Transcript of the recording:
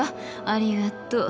ありがとう。